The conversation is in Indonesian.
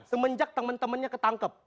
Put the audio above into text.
semenjak temen temennya ketangkep